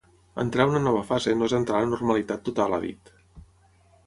Entrar a una nova fase no és entrar a la normalitat total ha dit.